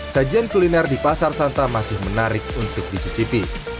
sajian kuliner di pasar santa masih menarik untuk dicicipi